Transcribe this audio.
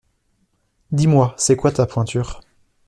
Dis-moi, c'est quoi ta pointure?